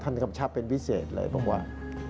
กำชับเป็นพิเศษเลยบอกว่า